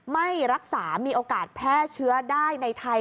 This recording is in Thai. ไม่รักษามีโอกาสแพร่เชื้อได้ในไทย